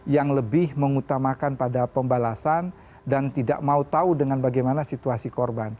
yang lebih mengutamakan pada pembalasan dan tidak mau tahu dengan bagaimana situasi korban